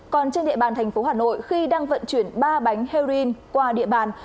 còn trên địa bàn thành phố hà nội khi đang vận chuyển ba bánh heroin qua địa bàn